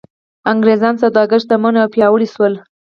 انګرېز سوداګر شتمن او پیاوړي شول.